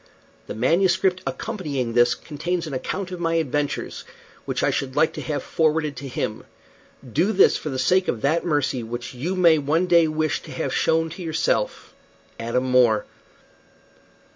The MS. accompanying this contains an account of my adventures, which I should like to have forwarded to him. Do this for the sake of that mercy which you may one day wish to have shown to yourself. "ADAM MORE."